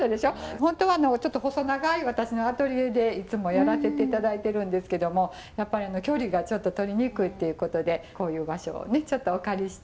本当はちょっと細長い私のアトリエでいつもやらせて頂いているんですけどもやっぱり距離がちょっと取りにくいということでこういう場所をちょっとお借りして。